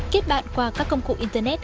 kết bạn qua các công cụ internet